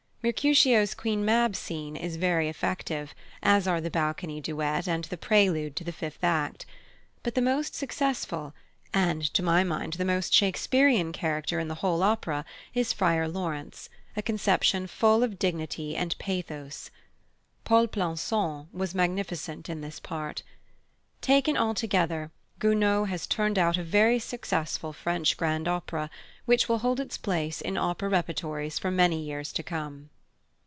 Mercutio's Queen Mab scena is very effective, as are the Balcony duet and the prelude to the fifth act. But the most successful and to my mind the most Shakespearian character in the whole opera is Friar Laurence, a conception full of dignity and pathos. Pol Plançon was magnificent in this part. Taken altogether, Gounod has turned out a very successful French grand opera, which will hold its place in opera repertories for many years to come.